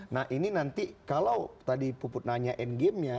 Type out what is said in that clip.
nah ini nanti kalau tadi puput nanya end gamenya